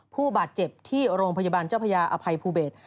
ผู้บาดเจ็บที่โรงพยาบาลเจ้าพญาอภัยภูเบศ